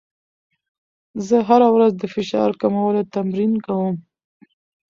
زه هره ورځ د فشار کمولو تمرین کوم.